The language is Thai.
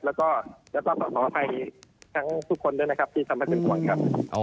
แล้วก็ขออภัยทั้งทุกคนด้วยนะครับที่ทำให้เป็นห่วงครับ